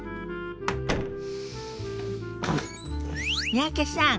三宅さん